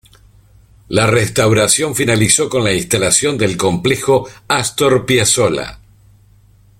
La restauración finalizó con la instalación del complejo Astor Piazzolla.